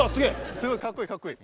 すごいかっこいいかっこいい。